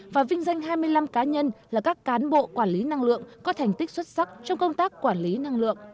và vinh danh hai mươi năm cá nhân là các cán bộ quản lý năng lượng có thành tích xuất sắc trong công tác quản lý năng lượng